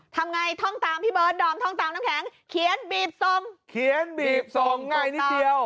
ทำไงท่องตามพี่เบิร์ดดอมท่องตามน้ำแข็งเขียนบีบส่งเขียนบีบส่งง่ายนิดเดียว